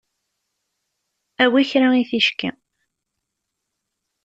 Awi kra i ticki.